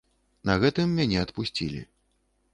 На гэтым мяне адпусцілі.